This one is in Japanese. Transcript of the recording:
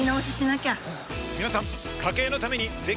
皆さん。